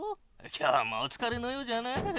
今日もおつかれのようじゃな。